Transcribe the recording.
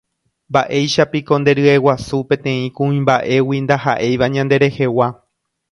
Mba'éichapiko nderyeguasu peteĩ kuimba'égui ndaha'éiva ñanderehegua